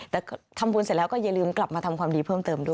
แต่ทำบุญเสร็จแล้วก็อย่าลืมกลับมาทำความดีเพิ่มเติมด้วย